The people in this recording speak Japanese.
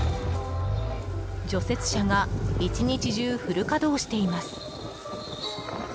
除雪車が１日中、フル稼働しています。